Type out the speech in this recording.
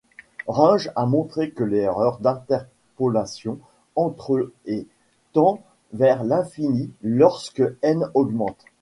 Runge a montré que l'erreur d'interpolation entre et tend vers l'infini lorsque n augmente.